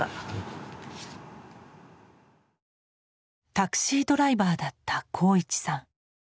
タクシードライバーだった鋼一さん。